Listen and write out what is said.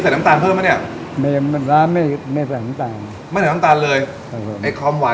นี่เรียกกันต่อดีกว่า